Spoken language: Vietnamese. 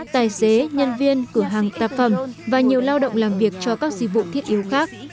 tài xế nhân viên cửa hàng tạp phẩm và nhiều lao động làm việc cho các dịch vụ thiết yếu khác